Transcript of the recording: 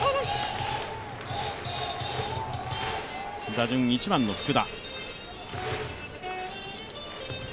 打順１番の福田。